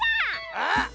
あっ！